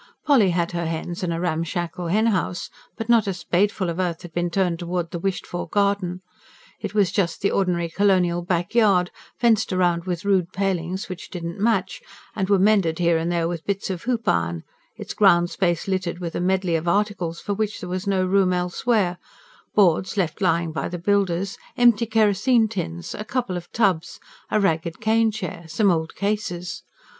Polly had her hens and a ramshackle hen house; but not a spadeful of earth had been turned towards the wished for garden. It was just the ordinary colonial backyard, fenced round with rude palings which did not match, and were mended here and there with bits of hoop iron; its ground space littered with a medley of articles for which there was no room elsewhere: boards left lying by the builders, empty kerosene tins, a couple of tubs, a ragged cane chair, some old cases.